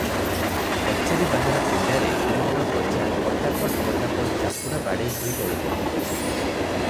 କଚେରି ବାହାର ପିଣ୍ତାରେ ତିନିଜଣ ପ୍ରଜା ପଟାପଟ୍ ପଟାପଟ୍ ଚାପୁଡ଼ା ବାଡ଼େଇ ହୋଇ ଗଡୁଥାନ୍ତି ।